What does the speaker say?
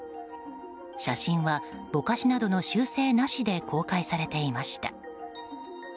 写真は、ぼかしなどの修正なしで公開されていました。